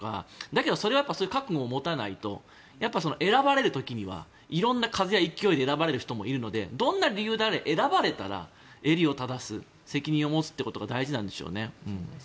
だけどそういう覚悟を持たないとやっぱり選ばれる時には色んな風や勢いで選ばれる人もいるのでどんな理由であれ選ばれたら襟を正す責任を持つことが大事でしょうね。